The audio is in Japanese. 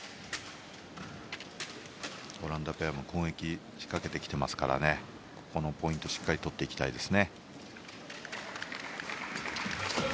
オランダペアも攻撃を仕掛けてきていますからこのポイントしっかり取っていきたいです。